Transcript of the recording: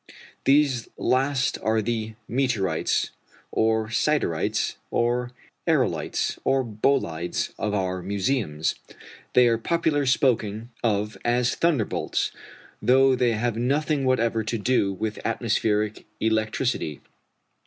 These last are the meteorites, or siderites, or aërolites, or bolides, of our museums. They are popularly spoken of as thunderbolts, though they have nothing whatever to do with atmospheric electricity.